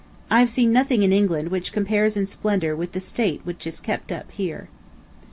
I have seen nothing in England which compares in splendor with the state which is kept up here.